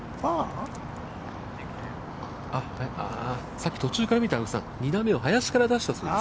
さっき途中から見た、青木さん、２打目を林から出したそうです。